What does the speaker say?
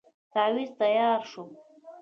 تاويذ تیار شو.